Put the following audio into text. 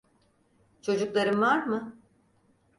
Çocukların var mı?